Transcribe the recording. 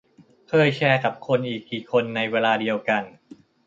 เคยแชร์กับคนอีกกี่คนในเวลาเดียวกัน ?